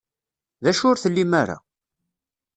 D acu ur tlim ara?